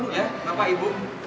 aduh ya kenapa ibu